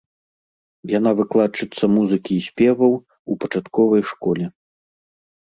Яна выкладчыца музыкі і спеваў у пачатковай школе.